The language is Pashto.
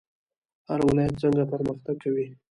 هر ولایت څنګه پرمختګ کوي؟